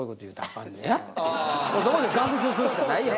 そこで学習するしかないやん。